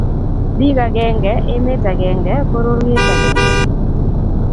Bik agenge, emet agenge, pororiet agenge